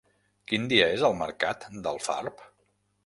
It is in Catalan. Quin dia és el mercat d'Alfarb?